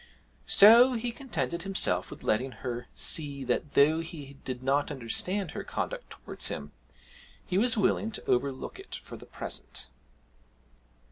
So he contented himself with letting her see that though he did not understand her conduct towards him, he was willing to overlook it for the present.